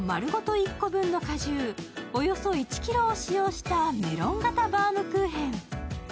１個分の果汁、およそ１ｋｇを使用したメロン型バウムクーヘン。